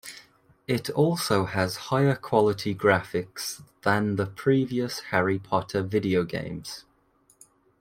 It also has higher-quality graphics than the previous "Harry Potter" video games.